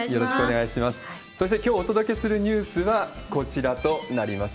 そして、きょうお届けするニュースはこちらとなります。